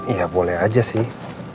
ya boleh aja sih